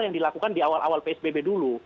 yang dilakukan di awal awal psbb dulu